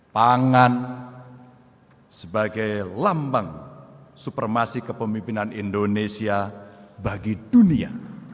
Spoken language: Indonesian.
pangan sebagai lambang supremasi kepemimpinan indonesia bagi dunia